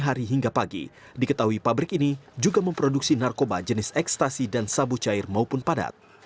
hari hingga pagi diketahui pabrik ini juga memproduksi narkoba jenis ekstasi dan sabu cair maupun padat